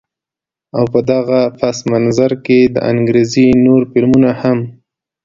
او په دغه پس منظر کښې د انګرېزي نور فلمونه هم